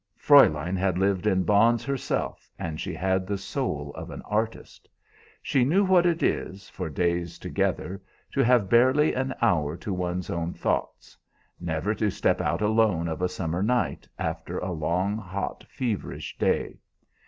"Fräulein had lived in bonds herself, and she had the soul of an artist. She knew what it is, for days together, to have barely an hour to one's own thoughts; never to step out alone of a summer night, after a long, hot, feverish day.